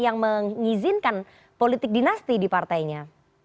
yang mengizinkan politik dinasti di partainya